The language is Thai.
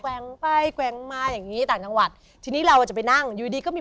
คุณพ่อเป็นฆาตราชการอยู่ที่สัตหีพ